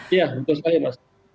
iya betul sekali mbak